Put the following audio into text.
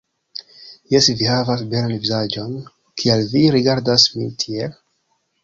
Jes, vi havas belan vizaĝon, kial vi rigardas min tiel?